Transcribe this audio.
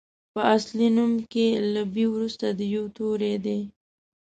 په اصلي نوم کې له بي وروسته د يوو توری دی.